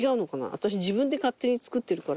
私自分で勝手に作ってるから。